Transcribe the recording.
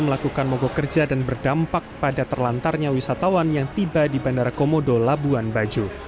melakukan mogok kerja dan berdampak pada terlantarnya wisatawan yang tiba di bandara komodo labuan bajo